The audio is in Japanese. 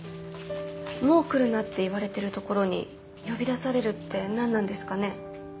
「もう来るな」って言われてる所に呼び出されるって何なんですかね。